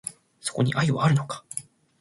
そこに愛はあるのか